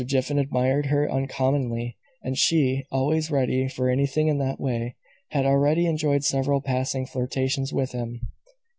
Jiffin admired her uncommonly, and she, always ready for anything in that way, had already enjoyed several passing flirtations with him.